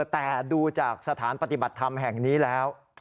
แต่ดูจากสถานปฏิบัติธรรมแห่งนี้แล้ว